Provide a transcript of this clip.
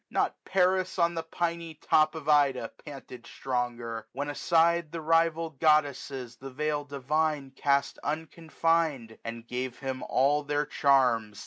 not Paris on the piny top Of Ida panted stronger, when aside The rival goddesses the veil divine ^3^5 Cast unconfined, and gave him all their charms.